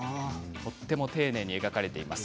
とても丁寧に描かれています。